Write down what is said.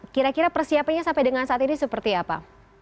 kira kira persiapannya sampai dengan saat ini seperti apa